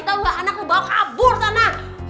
tahu gak anak lu bawa kabur sana